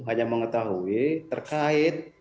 hanya mengetahui terkait